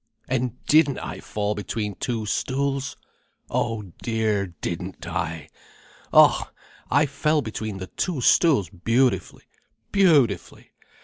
And didn't I fall between two stools! Oh dear, didn't I? Oh, I fell between the two stools beautifully, beautifully!